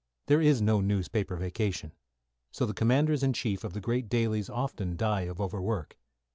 There is no newspaper vacation. So the commanders in chief of the great dailies often die of overwork.